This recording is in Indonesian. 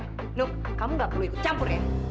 eh nuk kamu nggak perlu ikut campur ya